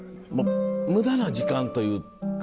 無駄な時間というか